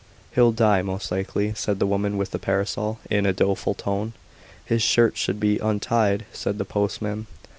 "He'll die, most likely," said the woman with the parasol, in a doleful tone. "His shirt should be untied," said the postman.